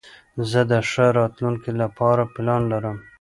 زه د ښه راتلونکي له پاره پلان لرم.